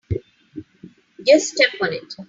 Just step on it.